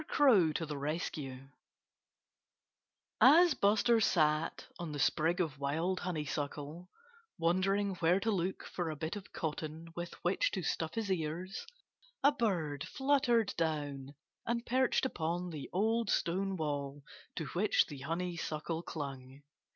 CROW TO THE RESCUE As Buster sat on the sprig of wild honeysuckle, wondering where to look for a bit of cotton with which to stuff his ears, a bird fluttered down and perched upon the old stone wall to which the honeysuckle clung.